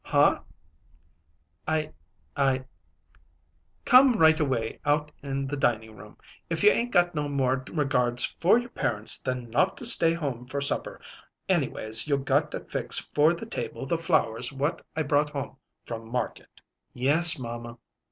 "Huh?" "I I " "Come right away out in the dining room. If you 'ain't got no more regards for your parents than not to stay home for supper, anyways you got to fix for the table the flowers what I brought home from market." "Yes, mamma."